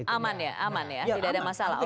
aman ya aman ya tidak ada masalah